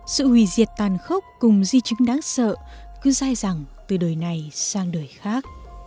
sự hủy diệt tàn khốc cùng di chứng đáng sợ cứ dài dẳng từ đời này sang đời khác